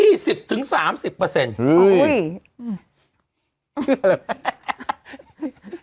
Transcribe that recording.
สิบถึงสามสิบเปอร์เซ็นต์อุ้ยอืม